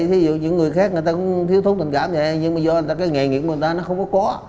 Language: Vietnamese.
thí dụ những người khác người ta cũng thiếu thú tình cảm vậy nhưng mà do người ta cái nghề nghiệp của người ta nó không có có